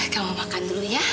kamu makan dulu ya